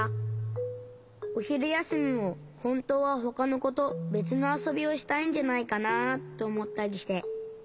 おひるやすみもほんとうはほかのことべつのあそびをしたいんじゃないかなとおもったりして。